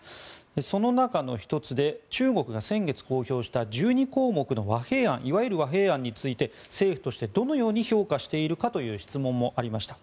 その中の１つで中国が先月公表した１２項目のいわゆる和平案について政府としてどのように評価しているかという質問もありました。